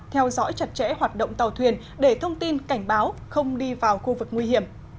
theo dõi chặt chẽ hoạt động tàu thuyền để thông tin cảnh báo không đi vào khu vực nguy hiểm